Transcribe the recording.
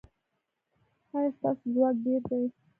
ایا ستاسو ځواک ډیر دی؟